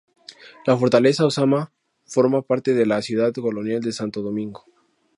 La Fortaleza Ozama forma parte de la Ciudad Colonial de Santo Domingo.